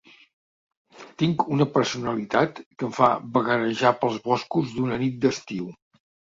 Tinc una personalitat que em fa vagarejar pels boscos d'una nit d'estiu.